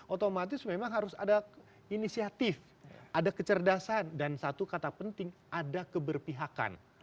otomatis memang harus ada inisiatif ada kecerdasan dan satu kata penting ada keberpihakan